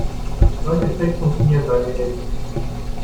Solche Tricks funktionieren bei mir nicht.